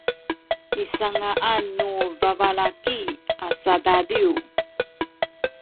nisanga’an nu babalaki a sadadiw